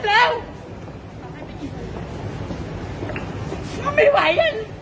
แล้วไม่ไหวกัน